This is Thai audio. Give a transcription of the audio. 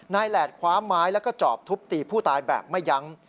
แหลดคว้าไม้แล้วก็จอบทุบตีผู้ตายแบบไม่ยั้ง